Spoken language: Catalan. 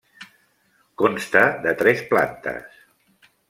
Consta de tres plantes.